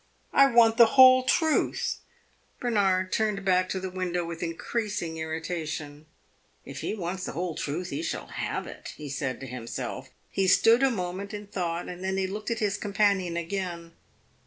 I want the whole truth." Bernard turned back to the window with increasing irritation. "If he wants the whole truth he shall have it," he said to himself. He stood a moment in thought and then he looked at his companion again.